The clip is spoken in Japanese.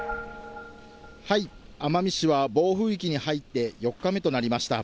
奄美市は暴風域に入って４日目となりました。